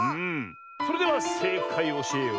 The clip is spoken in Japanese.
それではせいかいをおしえよう。